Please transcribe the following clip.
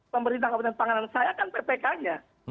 pemerintah kabupaten panganan saya kan ppk nya